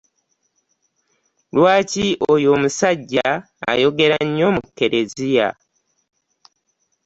Lwaki oy'omusajja oyogera nnyo mu kereziya?